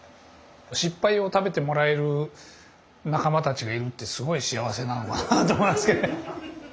失敗を食べてもらえる仲間たちがいるってすごい幸せなのかなと思いますけど。